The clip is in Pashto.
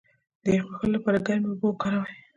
د یخ وهلو لپاره ګرمې اوبه وکاروئ